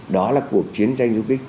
đó là cuộc chiến tranh du kích